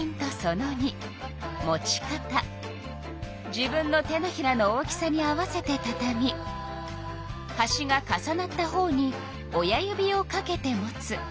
自分の手のひらの大きさに合わせてたたみはしが重なったほうに親指をかけて持つ。